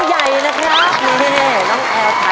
ฮ่าฮ่า